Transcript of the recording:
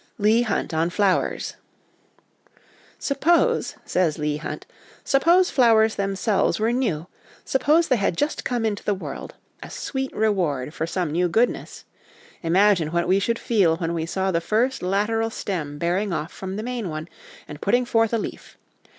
Leigh Hunt on Flowers. "Suppose," says Leigh Hunt, " suppose flowers themselves were new ! Suppose they had just come into the world, a sweet reward for some new goodness. ... Imagine what we should feel when we saw the first lateral stem bearing off from the main one, and putting forth a leaf.